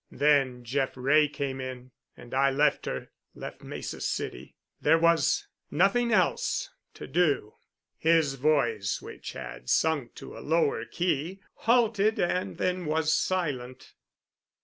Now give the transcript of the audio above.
Then Jeff Wray came in and I left her—left Mesa City. There was—nothing else—to do." His voice, which had sunk to a lower key, halted and then was silent.